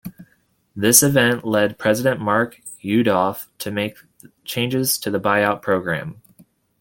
This event led President Mark Yudof to make changes to the buy out program.